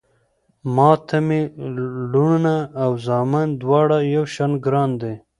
ما ته مې لوڼه او زامن دواړه يو شان ګران دي